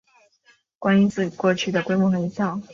观音寺过去的规模很小。